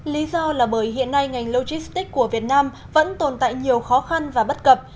lý do là bởi hiện nay ngành logistics của việt nam vẫn tồn tại nhiều khó khăn và bất cập